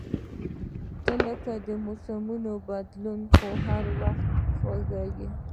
• ته لکه د موسمونو بدلون، خو هر وخت خوږ یې.